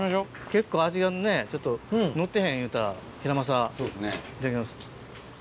結構味がね乗ってへん言うたヒラマサいただきます。